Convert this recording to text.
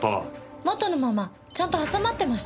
元のままちゃんと挟まってました。